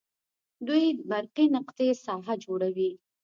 دوې برقي نقطې ساحه جوړوي.